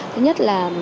thứ nhất là